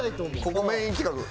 ここメイン企画。